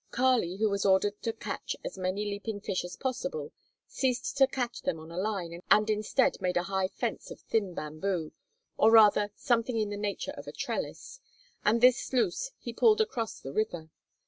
Kali, who was ordered to catch as many leaping fish as possible, ceased to catch them on a line and instead made a high fence of thin bamboo, or rather something in the nature of a trellis, and this sluice he pulled across the river.